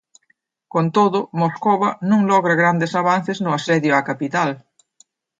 Con todo, Moscova non logra grandes avances no asedio á capital.